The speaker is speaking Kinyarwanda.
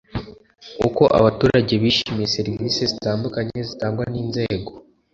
uko abaturage bishimiye serivisi zitandukanye zitangwa n inzego